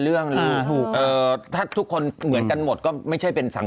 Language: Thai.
เรื่องนี้จบนะ